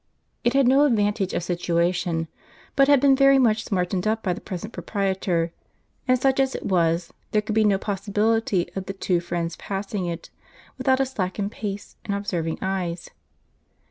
It had no advantage of situation; but had been very much smartened up by the present proprietor; and, such as it was, there could be no possibility of the two friends passing it without a slackened pace and observing eyes.